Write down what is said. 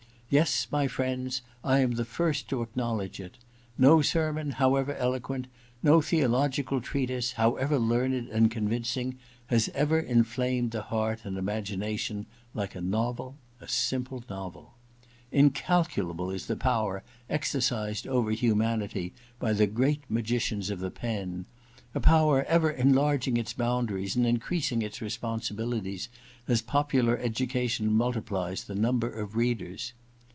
Yes, my friends, I am the first to acknowledge it — no sermon, however eloquent, no theological treatise, how ever learned and convincing, has ever inflamed the heart and imagination like a novel — a simple novel. Incalculable is the power exercised over humanity by the great magicians of the pen — a power ever enlarging its boundaries and in creasing its responsibilities as popular education multiplies the number of readers.